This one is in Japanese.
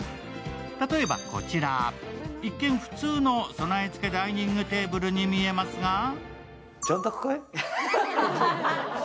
例えばこちら、一見普通の備え付けダイニングテーブルに見えますが